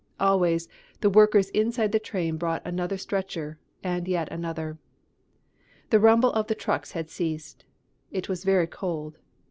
Always the workers inside the train brought another stretcher and yet another. The rumble of the trucks had ceased. It was very cold.